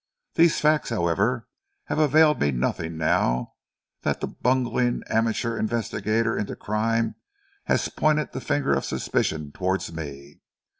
These facts, however, have availed me nothing now that the bungling amateur investigator into crime has pointed the finger of suspicion towards me.